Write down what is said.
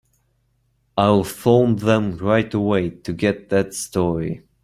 I'll phone them right away to get that story.